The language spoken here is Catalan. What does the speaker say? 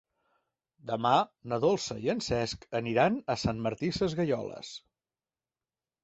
Demà na Dolça i en Cesc aniran a Sant Martí Sesgueioles.